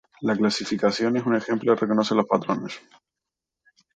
La clasificación es un ejemplo reconocimiento de patrones.